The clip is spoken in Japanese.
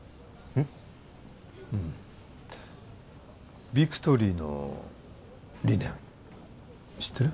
うんビクトリーの理念知ってる？